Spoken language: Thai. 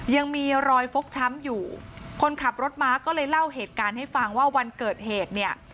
ยังมีรอยฟกช้ำอยู่คนขับรถม้าก็เลยเล่าเหตุการณ์ให้ฟังว่าวันเกิดเหตุเนี่ย